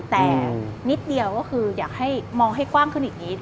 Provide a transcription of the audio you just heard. แต่นิดเดียวก็คืออยากให้มองให้กว้างขึ้นอีกนิด